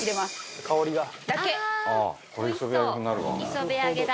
磯辺揚げだ。